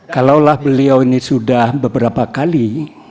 kalaulah beliau ini sudah beberapa kali